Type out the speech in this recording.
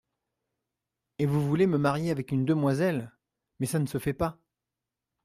Et vous voulez me marier avec une demoiselle ; mais ça ne se fait pas.